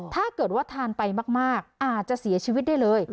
ถ้าเกิดว่าทานไปมากอาจจะเสียชีวิตได้เลย